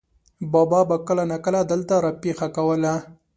بابا به کله ناکله دلته را پېښه کوله.